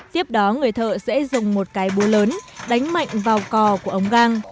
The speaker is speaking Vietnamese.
tiếp đó người thợ sẽ dùng một cái búa lớn đánh mạnh vào cò của ống gang